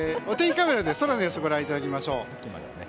お天気カメラで空の様子ご覧いただきましょう。